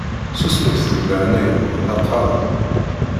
Susmet deg leɛnaya-nwen la qqaṛen!